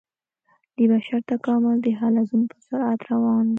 د بشر تکامل د حلزون په سرعت روان و.